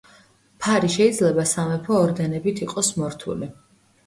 ფარი შეიძლება სამეფო ორდენებით იყოს მორთული.